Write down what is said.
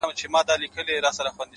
مخته چي دښمن راسي تېره نه وي ـ